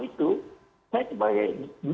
itu saya sebagai